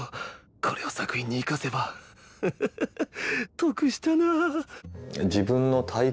これを作品に生かせばグフフフ得したなあ。